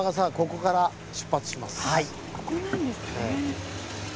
ここなんですね。